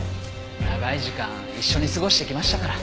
長い時間一緒に過ごしてきましたから。